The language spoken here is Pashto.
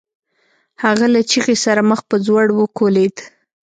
هغه له چيغې سره مخ په ځوړ وکوليد.